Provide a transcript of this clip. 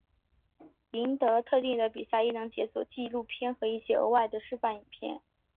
赢得特定的比赛亦能解锁纪录片和一些额外的示范影片。